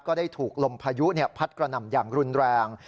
ได้ถูกลมพายุพัดกระหน่ำอย่างรุนแรง